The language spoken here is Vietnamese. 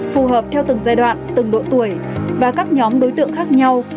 phù hợp theo từng giai đoạn từng độ tuổi và các nhóm đối tượng khác nhau